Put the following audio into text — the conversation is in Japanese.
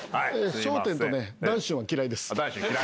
『笑点』とね談春は嫌いです。